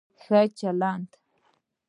ښه چلند